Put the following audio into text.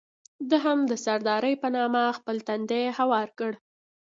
ده هم د سردارۍ په نامه خپل تندی هوار کړ.